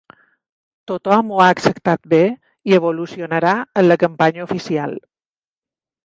Tothom ho ha acceptat bé i evolucionarà en la campanya oficial.